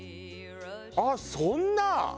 あっそんな？